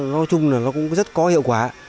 nói chung là nó cũng rất có hiệu quả